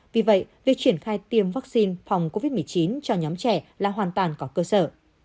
vì vậy việc triển khai tiêm vaccine phòng covid một mươi chín cho nhóm trẻ là hoàn toàn có cơ sở